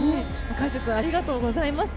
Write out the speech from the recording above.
解説ありがとうございます。